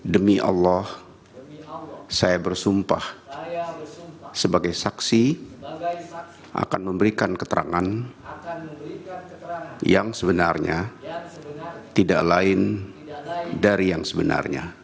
demi allah saya bersumpah sebagai saksi akan memberikan keterangan yang sebenarnya tidak lain dari yang sebenarnya